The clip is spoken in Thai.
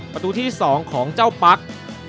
ประตูที่๒ของเจ้าปั๊ก